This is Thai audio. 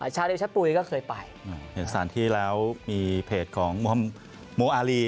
ชาเดชะปุ๋ยก็เคยไปเห็นสถานที่แล้วมีเพจของโมอารี